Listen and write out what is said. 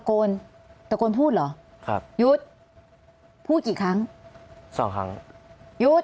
โกนตะโกนพูดเหรอครับหยุดพูดกี่ครั้งสองครั้งหยุด